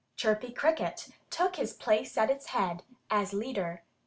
Chirpy Cricket took his place at its head, as leader.